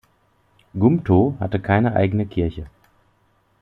Gumtow hatte keine eigene Kirche.